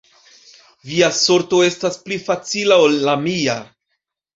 Via sorto estas pli facila ol la mia.